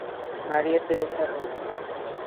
María Teresa Ruiz..